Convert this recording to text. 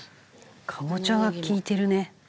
かぼちゃが利いてるね。